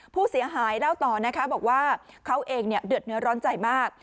ผู้เสียหายเล่าต่อนะคะบอกว่าเขาเองเดือดเนื้อร้อนใจมาก